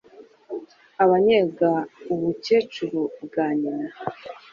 akannyega ubukecuru bwa nyina